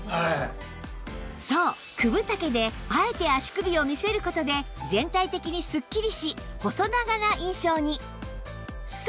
そう９分丈であえて足首を見せる事で全体的にすっきりし細長な印象に